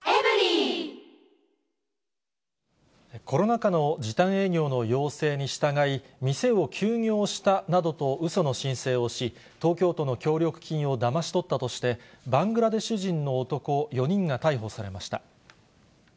コロナ禍の時短営業の要請に従い、店を休業したなどとうその申請をし、東京都の協力金をだまし取ったとして、バングラデシュ人の男４人が逮捕されました。